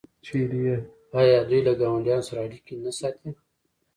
آیا دوی له ګاونډیانو سره اړیکې نه ساتي؟